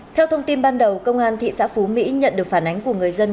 theo thông tin ban đầu công an thị xã phú mỹ nhận được phản ánh của người dân